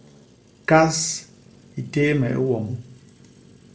Kas i téé me i wom.